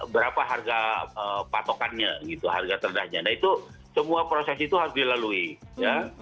berapa harga patokannya gitu harga terdahnya nah itu semua proses itu harus dilalui ya